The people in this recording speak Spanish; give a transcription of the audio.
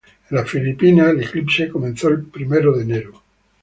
En las Filipinas, el eclipse comenzó el primero de enero.